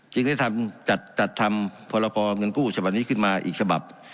จึงได้ทำจัดทำพรกรเงินกู้ฉบับนี้ขึ้นมาอีกฉบับ